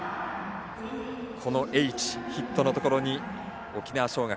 このＨ、ヒットのところに沖縄尚学